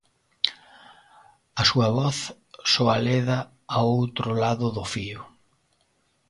A súa voz soa leda ao outro lado do fío.